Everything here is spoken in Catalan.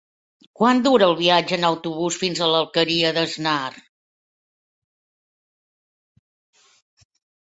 Quant dura el viatge en autobús fins a l'Alqueria d'Asnar?